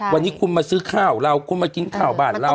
วันนี้คุณมาซื้อข้าวเราคุณมากินข้าวบ้านเรา